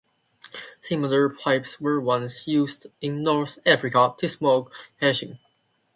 Similar pipes were once used in North Africa to smoke hashish.